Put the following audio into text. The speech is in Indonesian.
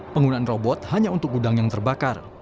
penggunaan robot hanya untuk gudang yang terbakar